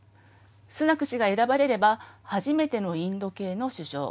スナク氏が選ばれれば、初めてのインド系の首相。